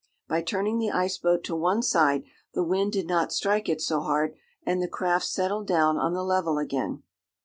By turning the ice boat to one side the wind did not strike it so hard, and the craft settled down on the level again.